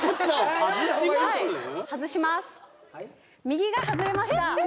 右が外れました